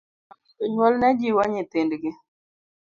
Koa chon jonyuol ne jiwo nyithindgi .